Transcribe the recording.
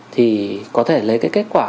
thì có thể lấy kết quả học